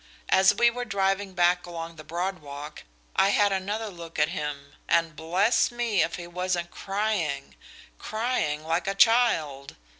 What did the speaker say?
As we were driving back along the Broad Walk I had another look at him, and bless me if he wasn't crying crying like a child.